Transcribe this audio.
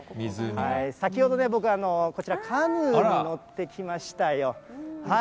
先ほどね、僕、カヌーに乗ってきましたよ。